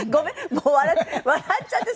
もう笑っちゃって。